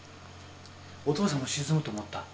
お父さんも沈むと思った？